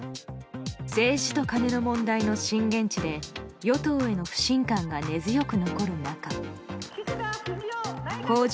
政治とカネの問題の震源地で与党への不信感が根強く残る中公示